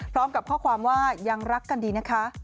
พร้อมกับข้อความว่ายังรักกันดีนะคะ